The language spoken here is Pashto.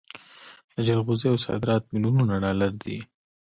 د جلغوزیو صادرات میلیونونه ډالر دي.